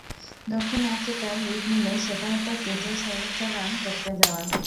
দক্ষিণ Africa lead নিলে সেটা হতো তৃতীয় সর্বোচ্চ রান টপকে যাওয়া।